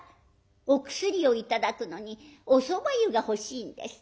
お薬を頂くのにおそば湯が欲しいんです。